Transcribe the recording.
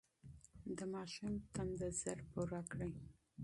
د ماشوم د تنده ژر پوره کړئ.